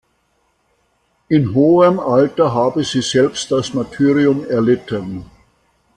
In hohem Alter habe sie selbst das Martyrium erlitten.